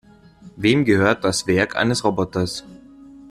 Wem gehört das Werk eines Roboters?